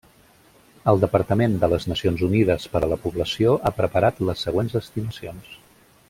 El Departament de les Nacions Unides per a la Població ha preparat les següents estimacions.